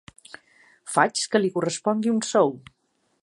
Faig que li correspongui un sou.